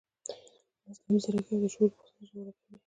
مصنوعي ځیرکتیا د شعور پوښتنه ژوره کوي.